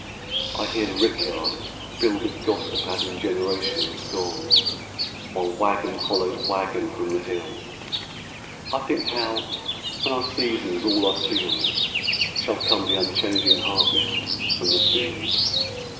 I hear the rickyard fill With gossip as in generations gone, While wagon follows wagon from the hill. I think how, when our seasons all are sealed, Shall come the unchanging harvest from the field.